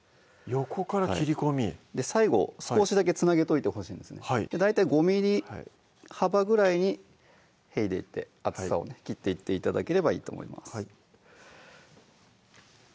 横から切り込み最後少しだけつなげといてほしいんですね大体５ｍｍ幅ぐらいにへいでいって厚さを切っていって頂ければいいと思います